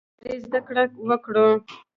له نړۍ زده کړه وکړو.